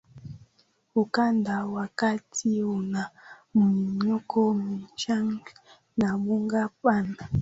Ukanda wa kati una miinuko michache na mbuga pana